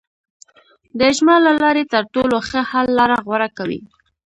د اجماع له لارې تر ټولو ښه حل لاره غوره کوي.